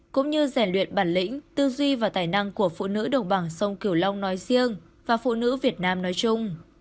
cũng như rèn luyện bản lĩnh tư duy và tài năng của phụ nữ đồng bằng sông cửu long nói riêng và phụ nữ việt nam nói chung